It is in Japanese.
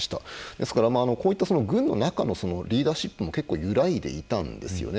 ですから、こういった軍の中のリーダーシップも結構、揺らいでいたんですよね。